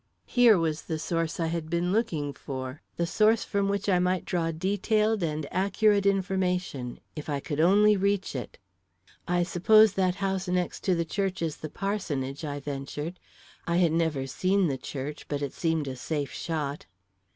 Here was the source I had been looking for the source from which I might draw detailed and accurate information, if I could only reach it. "I suppose that house next to the church is the parsonage," I ventured. I had never seen the church, but it seemed a safe shot.